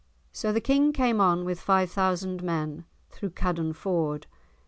So the King came on with five thousand men through Caddon Ford.